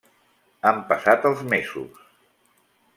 Han passat els mesos.